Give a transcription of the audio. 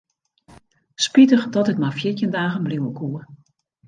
Spitich dat ik mar fjirtjin dagen bliuwe koe.